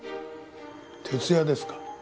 徹夜ですか？